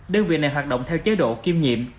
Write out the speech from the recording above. đơn vị này hoạt động theo chế độ kiêm nhiệm